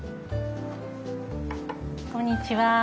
こんにちは。